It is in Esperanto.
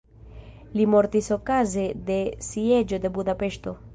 Li mortis okaze de sieĝo de Budapeŝto.